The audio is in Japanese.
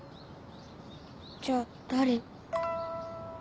じゃあ誰？